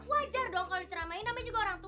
wajar dong kalo diceramahin namanya juga orang tua